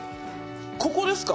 ここですか？